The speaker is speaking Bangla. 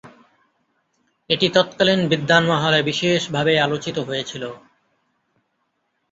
এটি তৎকালীন বিদ্বান মহলে বিশেষভাবে আলোচিত হয়েছিল।